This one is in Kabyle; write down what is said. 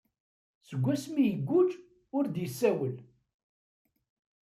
Seg asmi iguǧǧ ur d-yessawel.